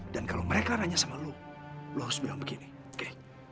dan kalau mereka nanya sama lu lu harus bilang begini oke